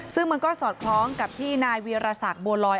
ซึ่งมันก็สอดคล้องกับที่นายเวียรสักบัวลอย